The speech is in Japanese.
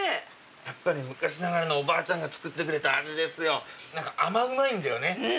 やっぱり昔ながらのおばあちゃんが作ってくれた味ですよなんか甘うまいんだよねうん